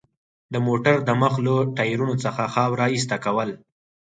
د موټر د مخ له ټایرونو څخه خاوره ایسته کول.